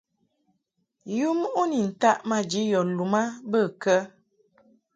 Yum u ni ntaʼ maji yɔ lum a bə kə ?